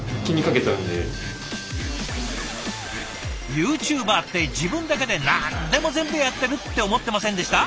ユーチューバーって自分だけで何でも全部やってるって思ってませんでした？